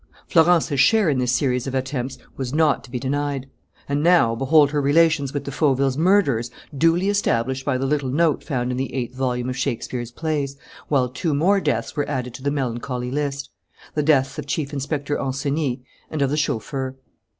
Florence's share in this series of attempts was not to be denied. And, now, behold her relations with the Fauvilles' murderers duly established by the little note found in the eighth volume of Shakespeare's plays, while two more deaths were added to the melancholy list: the deaths of Chief Inspector Ancenis and of the chauffeur.